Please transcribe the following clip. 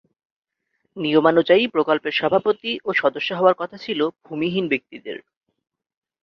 নিয়মানুযায়ী প্রকল্পের সভাপতি ও সদস্য হওয়ার কথা ছিল ভূমিহীন ব্যক্তিদের।